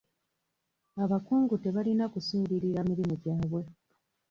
Abakungu tebalina kusuulirira mirimu gyabwe.